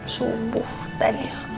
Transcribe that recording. subuh tadi ya